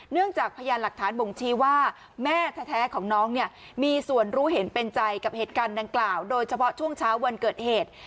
จากพยานหลักฐานบ่งชี้ว่าแม่แท้ของน้องเนี่ยมีส่วนรู้เห็นเป็นใจกับเหตุการณ์ดังกล่าวโดยเฉพาะช่วงเช้าวันเกิดเหตุ